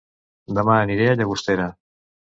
Dema aniré a Llagostera